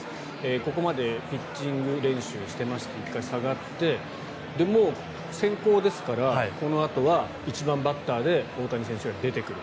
ここまでピッチング練習をしていまして１回下がってもう先攻ですからこのあとは１番バッターで大谷選手が出てくる。